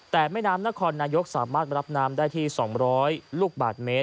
แต่แม่น้ำนครนายกสามารถรับน้ำได้ที่๒๐๐ลูกบาทเมตร